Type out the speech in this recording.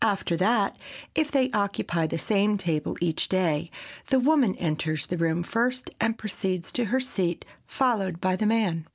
After that, if they occupy the same table each day, the woman enters the room first and proceeds to her seat, followed by the man.